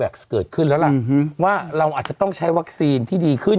เกิดขึ้นแล้วล่ะว่าเราอาจจะต้องใช้วัคซีนที่ดีขึ้น